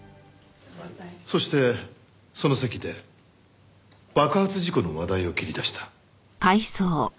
そしてその席で爆発事故の話題を切り出した。